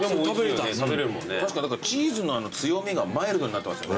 確かにチーズのあの強みがマイルドになってますよね